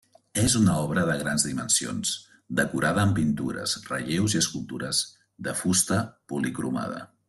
És una obra de grans dimensions decorada amb pintures, relleus i escultures de fusta policromada.